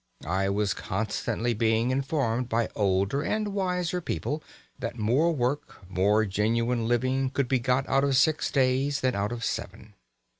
I was constantly being informed by older and wiser people that more work, more genuine living, could be got out of six days than out of seven.